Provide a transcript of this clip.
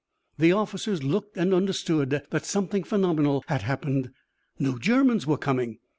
The officers looked and understood that something phenomenal had happened. No Germans were coming.